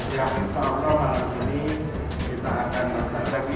ya insya allah malam ini kita akan berhasil